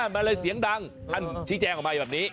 มันเลยเสียงดังท่านชี้แจงออกมาแบบนี้